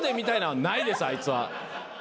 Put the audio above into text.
あいつは。